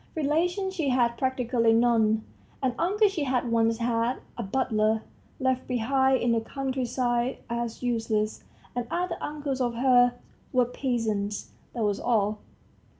Relations she had practically none; an uncle she had once had, a butler, left behind in the country as useless, and other uncles of hers were peasants that was all.